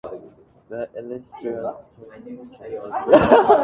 The elytral suture is green.